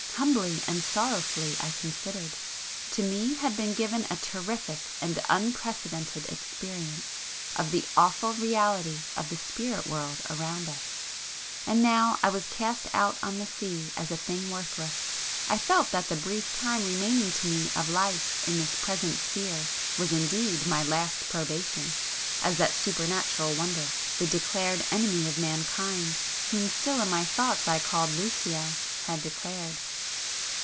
Humbly and sorrowfully I considered, ... to me had been given a terrific and unprecedented experience of the awful Reality of the Spirit world around us,—and now I was cast out on the sea as a thing worthless, I felt that the brief [p 477] time remaining to me of life in this present sphere was indeed my "last probation," as that Supernatural Wonder, the declared Enemy of mankind, whom still in my thoughts I called Lucio, had declared.